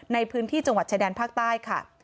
ในพื้นที่จังหวัดชายแดนภาคใต้ค่ะ